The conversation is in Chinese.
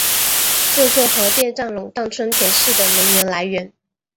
这座核电站垄断春田市的能源来源。